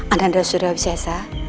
ananda sudah lancar